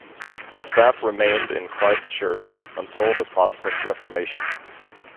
The staff remained in Christ Church until the Protestant Reformation.